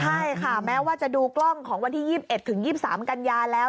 ใช่ค่ะแม้ว่าจะดูกล้องของวันที่๒๑ถึง๒๓กันยาแล้ว